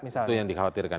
itu yang dikhawatirkan